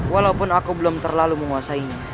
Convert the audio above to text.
walaupun aku belum terlalu menguasainya